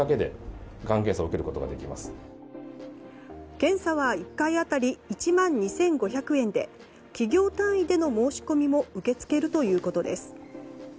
検査は１回当たり１万２５００円で企業単位での申し込みも受け付けるということです。